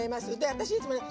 私いつもね